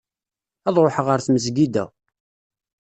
Ad ruḥeɣ ɣer tmezgida.